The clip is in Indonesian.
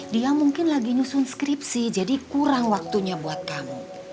dia mungkin lagi nyusun skripsi jadi kurang waktunya buat tamu